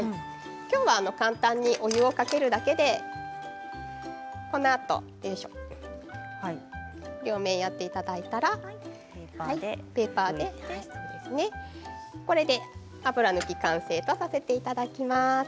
今日は簡単にお湯をかけるだけでこのあと、両面やっていただいたらペーパーでこれで油抜き完成とさせていただきます。